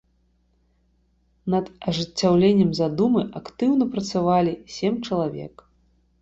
Над ажыццяўленнем задумы актыўна працавалі сем чалавек.